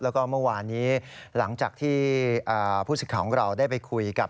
และก็เมื่อวานนี้หลังจากที่ผู้สินทรีย์ของเรากราวได้ไปคุย